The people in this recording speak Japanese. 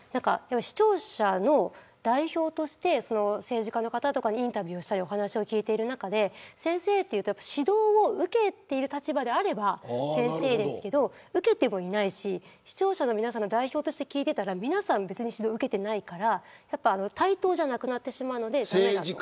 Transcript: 視聴者の代表として政治家の方にインタビューしたりお話を聞いている中で先生と言うと指導を受けている立場であれば先生ですけれど受けてもいないし視聴者の代表として聞いていたら皆さん別に指導を受けていないから対等じゃなくなってしまうので駄目だと。